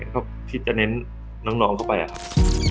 ก็คิดจะเน้นน้องเข้าไปอะครับ